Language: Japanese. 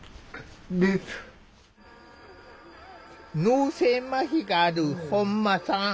脳性まひがある本間さん。